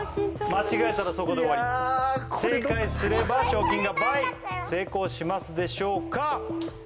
間違えたらそこで終わりあ緊張する正解すれば賞金が倍成功しますでしょうか